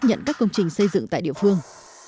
nhận các công trình xây dựng tại địa phương